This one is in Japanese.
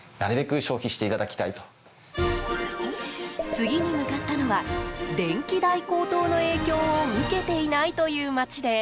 次に向かったのは電気代高騰の影響を受けていないという街です。